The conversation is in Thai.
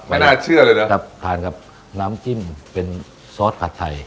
น่าเชื่อเลยนะครับทานกับน้ำจิ้มเป็นซอสผัดไทย